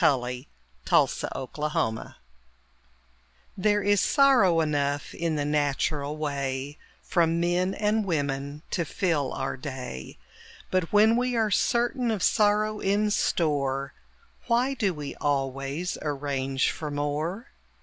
THE POWER OF THE DOG There is sorrow enough in the natural way From men and women to fill our day; But when we are certain of sorrow in store, Why do we always arrange for more?